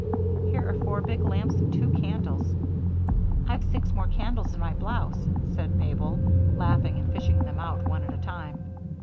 Here are four big lamps and two candles " "I've six more candles in my blouse," said Mabel, laughing and fishing them out one at a time.